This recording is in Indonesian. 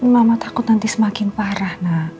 lama takut nanti semakin parah